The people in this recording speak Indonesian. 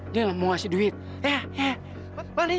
dia mau kasih uang